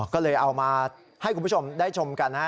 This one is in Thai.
ก็เลยเอามาให้คุณผู้ชมได้ชมกันนะฮะ